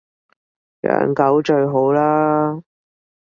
養狗最好喇